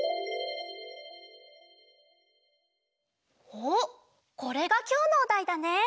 おっこれがきょうのおだいだね。